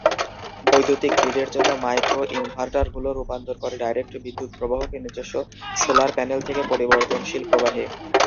বৈদ্যুতিক গ্রিডের জন্য মাইক্রো-ইনভার্টারগুলো রূপান্তর করে ডাইরেক্ট বিদ্যুৎ প্রবাহকে নিজস্ব সোলার প্যানেল থেকে পরিবর্তনশীল প্রবাহে।